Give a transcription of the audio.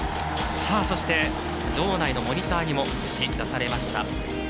そして、場内のモニターにも映し出されました